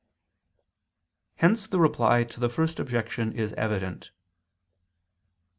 Hence the Reply to the First Objection is evident.